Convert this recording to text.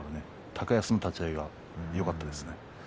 高安の立ち合いがよかったです。